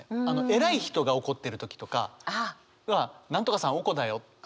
偉い人が怒ってる時とかは「何とかさんおこだよ」とか。